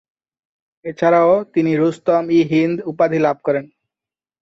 এছাড়াও তিনি রুস্তম -ই-হিন্দ উপাধি লাভ করেন।